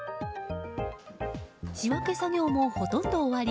仕分け作業もほとんど終わり